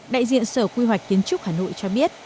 đại diện sở quy hoạch kiến trúc hà nội cho biết